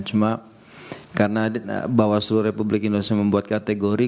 cuma karena bawaslu republik indonesia membuat kategori